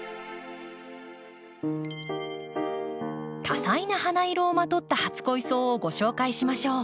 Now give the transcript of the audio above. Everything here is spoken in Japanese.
多彩な花色をまとった初恋草をご紹介しましょう。